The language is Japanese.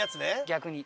逆に。